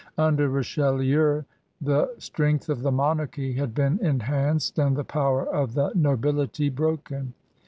Under Richelieu the strength of the monarchy had been enhanced and the power of the nobility broken.